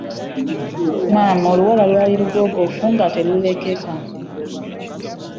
Maama, oluwala lwali lugoogofu nga terulekeka.